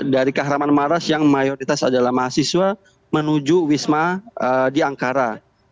dari kahraman maras yang mayoritas adalah mahasiswa menuju wisma di angkara